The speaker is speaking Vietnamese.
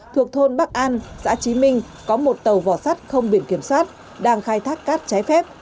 thuộc thôn bắc an xã trí minh có một tàu vỏ sắt không biển kiểm soát đang khai thác cát trái phép